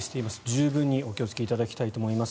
十分にお気をつけいただきたいと思います。